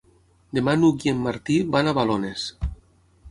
Demà n'Hug i en Martí van a Balones.